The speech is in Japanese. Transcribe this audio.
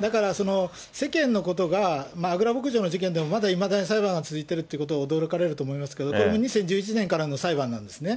だから、世間のことがあぐら牧場の事件でもまだいまだに裁判が続いているってことに驚かれると思いますけれども、これも２０１１年からの裁判なんですね。